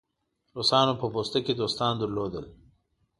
روسانو په پوسته کې دوستان درلودل.